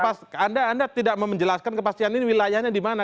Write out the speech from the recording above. bukan anda tidak memenjelaskan kepastian ini wilayahnya di mana